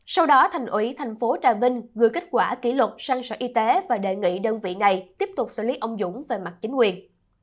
sau đó thành ủy tp trà vinh gửi kết quả kỷ luật sang sở y tế và đề nghị đơn vị này tiếp tục xử lý ông dũng về mặt chính quyền